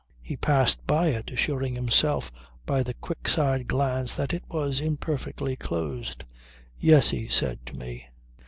He passed by it assuring himself by a quick side glance that it was imperfectly closed. "Yes," he said to me.